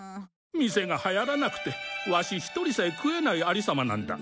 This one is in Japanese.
店がはやらなくてワシ一人さえ食えない有り様なんだ。